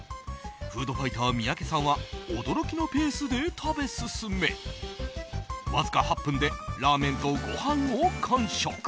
フードファイター三宅さんは驚きのペースで食べ進めわずか８分でラーメンとご飯を完食。